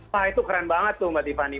wah itu keren banget tuh mbak tiffany